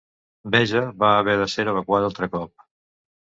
Beja va haver de ser evacuada altre cop.